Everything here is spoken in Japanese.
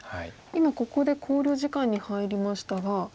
今ここで考慮時間に入りましたが。